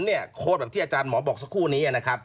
ผลเนี้ยโค้ดเมื่อที่อาจารย์หมอบอกสักครู่นี้